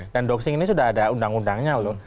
dan doxing ini sudah ada undang undangnya loh